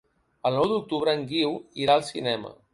El nou d'octubre en Guiu irà al cinema.